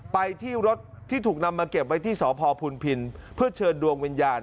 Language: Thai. ไปที่รถที่ถูกนำมาเก็บไว้ที่สพพุนพินเพื่อเชิญดวงวิญญาณ